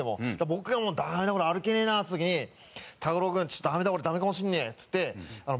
僕がもうダメだこれ歩けねえなって時に「卓郎君ちょっとダメだ俺ダメかもしれねえ」っつって。